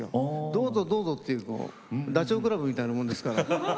どうぞどうぞっていうダチョウ倶楽部みたいなもんですから。